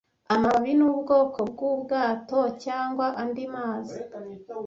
amababi nubwoko bwubwato cyangwa andi mazi